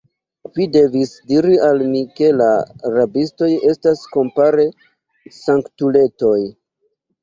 Vi devis diri al mi, ke la rabistoj estas, kompare, sanktuletoj!